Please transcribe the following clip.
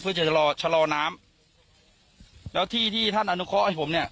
เพื่อจะรอชะลอน้ำแล้วที่ที่ท่านอนุเคราะห์ให้ผมเนี่ย